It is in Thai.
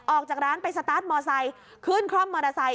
ออกจากร้านไปสตาร์ทมอไซค์ขึ้นคล่อมมอเตอร์ไซค